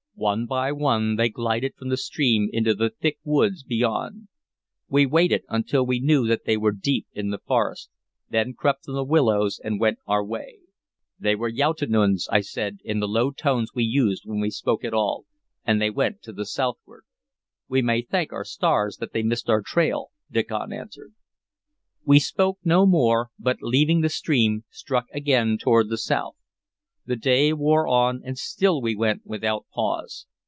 One by one they glided from the stream into the thick woods beyond. We waited until we knew that they were were deep in the forest, then crept from the willows and went our way. "They were Youghtenunds," I said, in the low tones we used when we spoke at all, "and they went to the southward." "We may thank our stars that they missed our trail," Diccon answered. We spoke no more, but, leaving the stream, struck again toward the south. The day wore on, and still we went without pause.